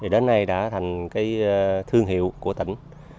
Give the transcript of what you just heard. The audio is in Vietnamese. đến nay đã thành thương hiệu của tỉnh